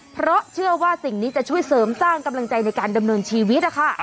เพราะเชื่อว่าสิ่งนี้จะช่วยเสริมสร้างกำลังใจในการดำเนินชีวิตนะคะ